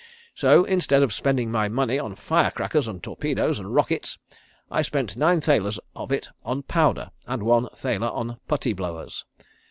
So instead of spending my money on fire crackers and torpedoes and rockets, I spent nine thalers of it on powder and one thaler on putty blowers.